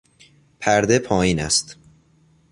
پرده پایین است.